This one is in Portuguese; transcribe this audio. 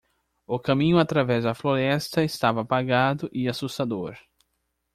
O caminho através da floresta estava apagado e assustador.